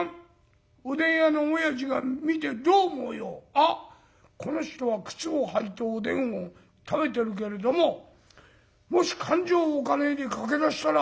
『あっこの人は靴を履いておでんを食べてるけれどももし勘定を置かねえで駆け出したら速えだろうな』。